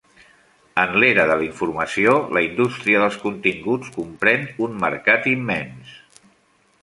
En l'era de la informació, la indústria dels continguts comprèn un mercat immens.